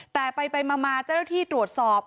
แต่ไปมาจะได้ที่ตรวจสอบ